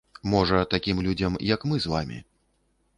Можа, такім людзям, як мы з вамі.